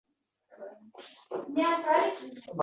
yaqinda mamlakatlar qatoriga qo'shildi